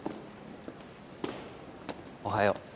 おはよう。